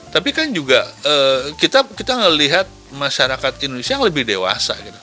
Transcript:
tapi kan juga kita melihat masyarakat indonesia yang lebih dewasa gitu